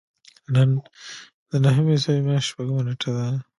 نن د نهمې عیسوي میاشتې شپږمه نېټه ده.